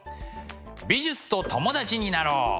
美術と友達になろう！